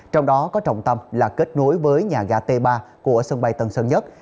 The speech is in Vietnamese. trong đó có trọng tâm là kết nối với nhà ga t ba của sân bay tân sơn nhất